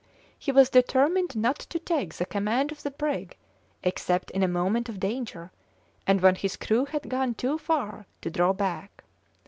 He was determined not to take the command of the brig except in a moment of danger, and when his crew had gone too far to draw back.